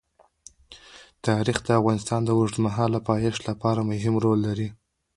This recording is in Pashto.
تاریخ د افغانستان د اوږدمهاله پایښت لپاره مهم رول لري.